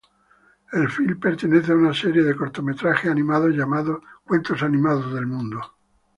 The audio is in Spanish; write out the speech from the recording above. El filme pertenece a una serie de cortometrajes animados llamada Cuentos Animados del Mundo.